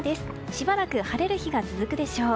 しばらく晴れる日が続くでしょう。